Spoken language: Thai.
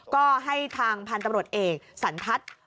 ก็ให้ทางพันธุ์ตำรวจเอกสันทัศน์